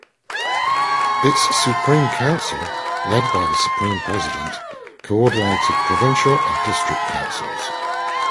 Its Supreme Council, led by the Supreme President, coordinated provincial and district councils.